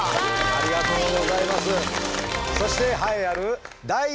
ありがとうございます！